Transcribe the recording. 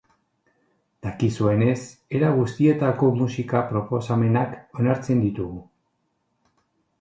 Dakizuenez, era guztietako musika proposamenak onartzen ditugu.